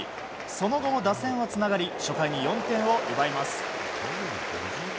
その後も打線はつながり初回に４点を奪います。